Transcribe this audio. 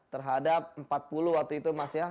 terhadap empat puluh waktu itu mas ya